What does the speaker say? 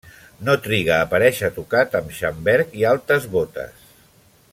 No triga a aparèixer tocat amb xamberg i altes botes.